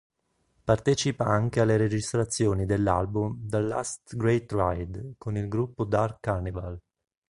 Partecipa anche alle registrazioni dell'album "The Last Great Ride" con il gruppo Dark Carnival.